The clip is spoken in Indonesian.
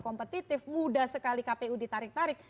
kompetitif mudah sekali kpu ditarik tarik